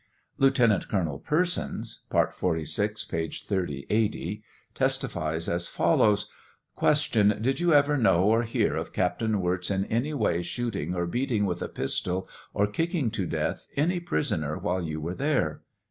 Lieutenant Colonel Persons (part 46, page 3080) testifies as follows : Q. Did you ever know or hear of Captain Wirz, in any way, shooting or beating with a pistol or kicking to death any prisoner while you v/ere there